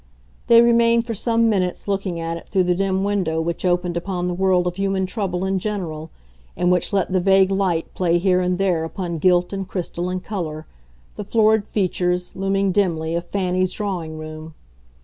They remained for some minutes looking at it through the dim window which opened upon the world of human trouble in general and which let the vague light play here and there upon gilt and crystal and colour, the florid features, looming dimly, of Fanny's drawing room.